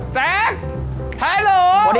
สักฮัลโหล